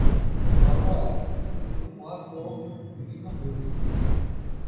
ধর্ম এক, কিন্তু উহার প্রয়োগ বিভিন্ন হইবেই।